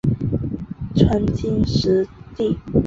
川黔石栎